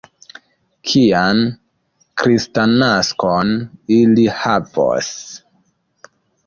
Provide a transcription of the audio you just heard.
Kian kristnaskon ili havos?